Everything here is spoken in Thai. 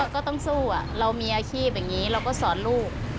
ก็ต้องสู้เรามีอาชีพอย่างนี้เราก็สอนลูก